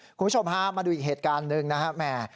คุณผู้ชมฮะมาดูอีกเหตุการณ์หนึ่งนะครับแหม